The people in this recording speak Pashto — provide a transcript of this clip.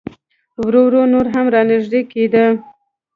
ورو ورو نور هم را نږدې کېده.